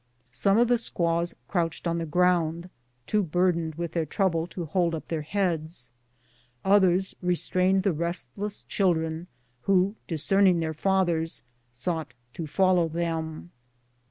Some of the squaws crouched on the ground, too burdened with their trouble to hold up their heads; others restrained the restless children who, discerning their fathers, sought to follow them.